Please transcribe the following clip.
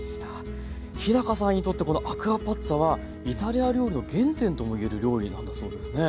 日さんにとってこのアクアパッツァはイタリア料理の原点とも言える料理なんだそうですね？